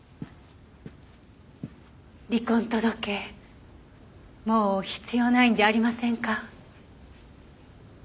離婚届もう必要ないんじゃありませんか？